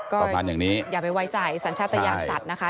ก็อย่าไปไว้ใจสัญชาติยามสัตว์นะคะ